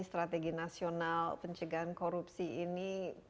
strategi nasional pencegahan korupsi ini